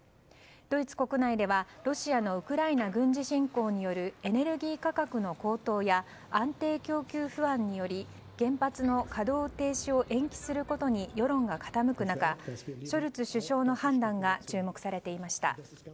ドイツ国内では、ロシアのウクライナ軍事侵攻によるエネルギー価格の高騰や安定供給不安により原発の稼働停止を延期することに世論が傾く中ショルツ首相の判断が注目されていました。